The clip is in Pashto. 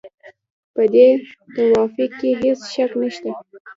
په دې توافق کې هېڅ شک نشته.